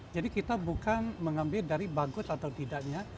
jadi kita bukan mengambil dari bagus atau tidaknya